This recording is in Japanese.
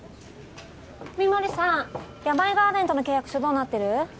三森さん山井ガーデンとの契約書どうなってる？